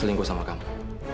selingkuh sama kamu